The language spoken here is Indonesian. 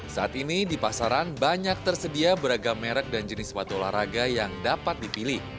saat ini di pasaran banyak tersedia beragam merek dan jenis sepatu olahraga yang dapat dipilih